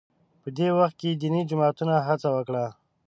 په دې وخت کې دیني جماعتونو هڅه وکړه